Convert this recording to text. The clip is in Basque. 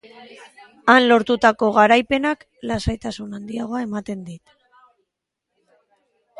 Han lortutako garaipenak lasaitasun handiagoa eman dit.